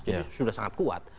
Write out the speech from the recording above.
jadi sudah sangat kuat